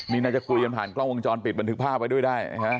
นี่น่าจะคุยกันผ่านกล้องวงจรปิดบันทึกภาพไว้ด้วยได้